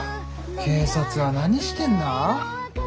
警察は何してんだ？